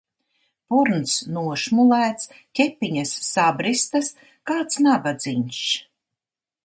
Purns nošmulēts, ķepiņas sabristas, kāds nabadziņš!